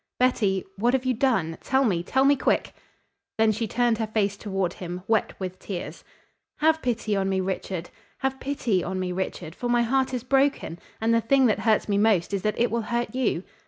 "Betty, what have you done? Tell me tell me quick." Then she turned her face toward him, wet with tears. "Have pity on me, Richard. Have pity on me, Richard, for my heart is broken, and the thing that hurts me most is that it will hurt you."